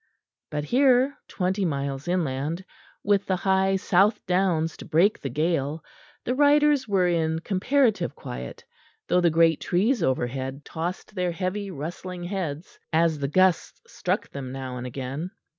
But here, twenty miles inland, with the high south downs to break the gale, the riders were in comparative quiet, though the great trees overhead tossed their heavy rustling heads as the gusts struck them now and again.